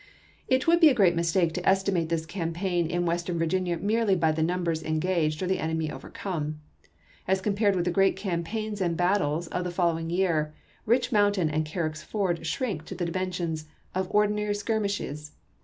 It would be a great mistake to estimate this cam paign in Western Virginia merely by the numbers engaged or the enemy overcome. As compared with the great campaigns and battles of the fol lowing year. Rich Mountain and Carrick's Ford shrink to the dimensions of ordinary skirmishes.